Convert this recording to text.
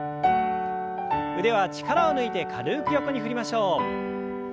腕は力を抜いて軽く横に振りましょう。